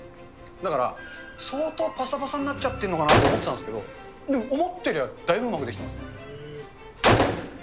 だから、相当ぱさぱさになっちゃってるのかなって思ってたんですけど、でも思ったよりは、だいぶうまく出来てますね。